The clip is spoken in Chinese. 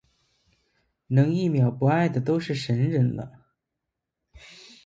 能一秒不爱的都是神人了